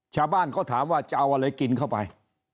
ชาวบ้านเขาถามว่าจะเอาอะไรกินเข้าไป